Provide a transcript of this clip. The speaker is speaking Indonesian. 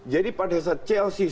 jadi pada saat chelsea